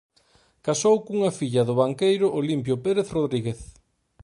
Casou cunha filla do banqueiro Olimpio Pérez Rodríguez.